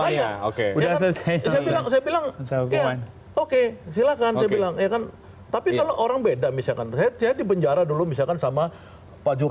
nuts oke oke silakan tapi kalau orang beda misi akan rajet jadi benjara dulu misalkan sama pajur